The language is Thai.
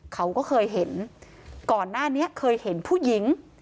เขาก็เคยเห็นก่อนหน้านี้เคยเห็นผู้หญิง